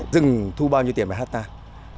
dừng thu bao nhiêu tiền mấy hectare